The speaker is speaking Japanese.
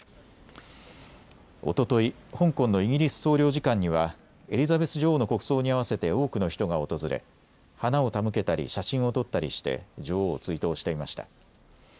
おととい、香港のイギリス総領事館にはエリザベス女王の国葬に合わせて多くの人が訪れ、花を手向けたり写真を撮ったりして女王を追悼していました。